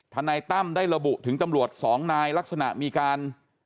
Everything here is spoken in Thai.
นายตั้มได้ระบุถึงตำรวจสองนายลักษณะมีการ